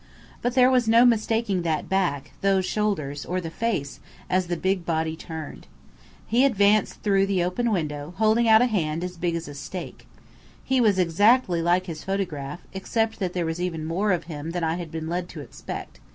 But there was no mistaking that back, those shoulders, or the face, as the big body turned. He advanced through the open window, holding out a hand as big as a steak. He was exactly like his photograph, except that there was even more of him than I had been led to expect.